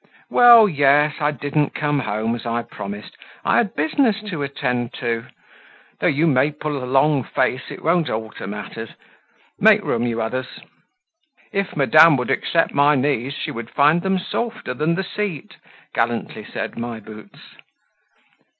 Well, yes; I didn't come home as I promised, I had business to attend to. Though you may pull a long face, it won't alter matters. Make room, you others." "If madame would accept my knees she would find them softer than the seat," gallantly said My Boots.